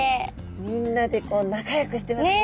みんなで仲よくしてますね。